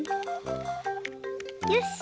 よし！